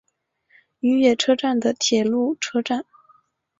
与野车站的铁路车站。